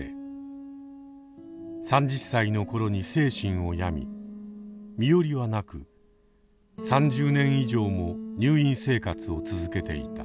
３０歳の頃に精神を病み身寄りはなく３０年以上も入院生活を続けていた。